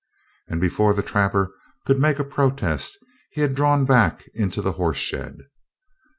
And before the trapper could make a protest he had drawn back into the horse shed.